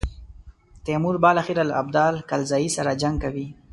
تیمور بالاخره له ابدال کلزايي سره جنګ کوي.